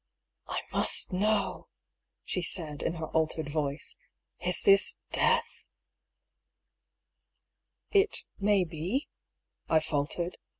" I must know," she said, in her altered voice. " Is this death f "" It may be," I faltered.